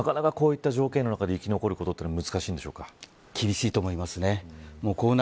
なかなか、こうした条件の中で生き残ることは厳しいと思います。